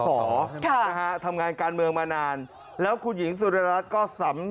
นะฮะทำงานการเมืองมานานแล้วคุณหญิงสุดรรัฐก็สำ